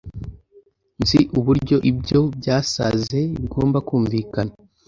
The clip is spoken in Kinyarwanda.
Nzi uburyo ibyo byasaze bigomba kumvikana